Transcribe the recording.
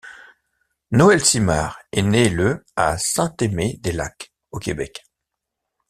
Noël Simard est né le à Saint-Aimé-des-Lacs au Québec.